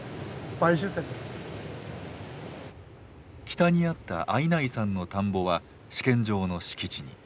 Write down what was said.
北にあった相内さんの田んぼは試験場の敷地に。